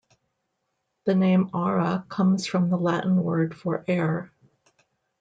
The name "Aura" comes from the Latin word for air.